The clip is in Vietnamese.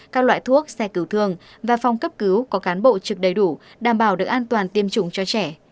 các loại thuốc xe cứu thương và phòng cấp cứu có cán bộ trực đầy đủ đảm bảo được an toàn tiêm chủng cho trẻ